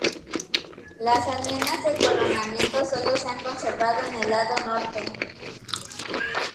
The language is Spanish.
Las almenas de coronamiento sólo se han conservado en el lado norte.